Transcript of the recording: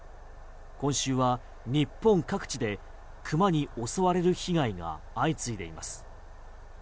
今週は日本各地で熊に襲われる被害が相次いでいます。